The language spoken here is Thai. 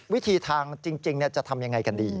วิธีทางจริงจะทำยังไงกันดี